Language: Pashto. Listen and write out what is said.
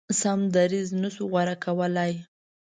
سم دریځ نه شو غوره کولای.